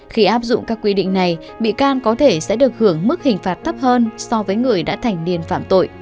khi áp dụng các quy định này bị can có thể sẽ được hưởng mức hình phạt thấp hơn so với người đã thành niên phạm tội